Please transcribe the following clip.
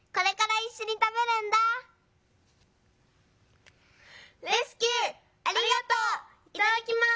いただきます」。